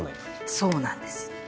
そうなんです。